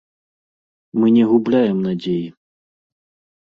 Мы не губляем надзеі.